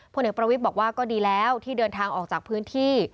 ผลเอกประวิทย์บอกว่าก็ดีแล้วที่เดินทางออกจากพื้นที่